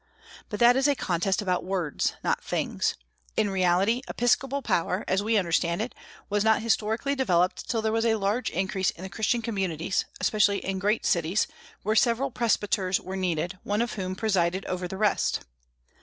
But that is a contest about words, not things. In reality, episcopal power, as we understand it, was not historically developed till there was a large increase in the Christian communities, especially in great cities, where several presbyters were needed, one of whom presided over the rest.